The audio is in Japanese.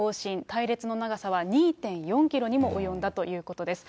隊列の長さは、２．４キロにも及んだということです。